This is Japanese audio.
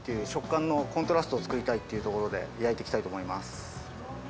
食感のコントラストをつくりたいってところで焼いていきたいと思います。